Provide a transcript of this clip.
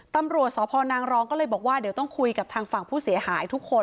ตำรวจสพนางรองก็เลยบอกว่าเดี๋ยวต้องคุยกับทางฝั่งผู้เสียหายทุกคน